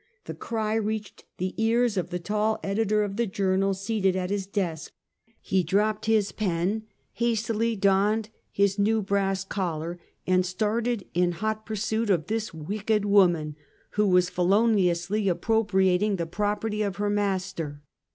The cry reached the ears of the tall editor of the Journal seated at his desk. He drop ped his pen, hastily donned his new brass collar and started in hot pursuit of this wicked woman, who was feloniously appropriating the property of her master.